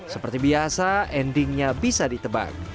seperti biasa endingnya bisa ditebak